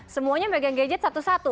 semuanya megang gadget satu satu